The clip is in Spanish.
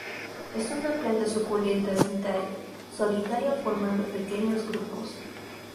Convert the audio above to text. Es una planta suculenta sin tallo, solitaria o formando pequeños grupos.